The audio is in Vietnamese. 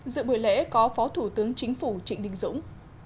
dự bữa lễ có phó thủ tướng chính phủ trịnh đinh dũng